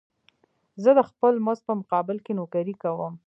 زه د خپل مزد په مقابل کې نوکري کوم